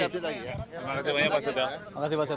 terima kasih banyak pak setia